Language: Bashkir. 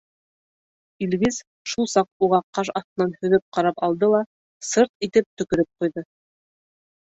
Илгиз шул саҡ уға ҡаш аҫтынан һөҙөп ҡарап алды ла «сырт» итеп төкөрөп ҡуйҙы.